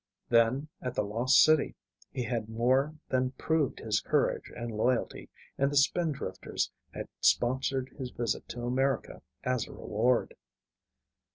Then, at the Lost City, he had more than proved his courage and loyalty, and the Spindrifters had sponsored his visit to America as a reward.